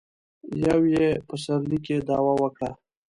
يو يې په پسرلي کې دعوه وکړه.